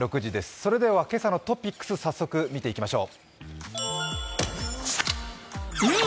それでは今朝のトピックス早速見ていきましょう。